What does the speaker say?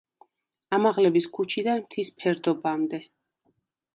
ამაღლების ქუჩიდან მთის ფერდობამდე.